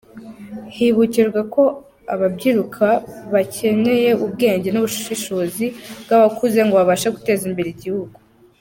Hibukijwe ko ababyiruka bakeneye ubwenge n’ubushishozi bw’abakuze, ngo babashe guteza imbere igihugu.